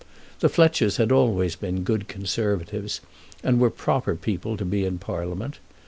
The Fletchers had always been good Conservatives, and were proper people to be in Parliament.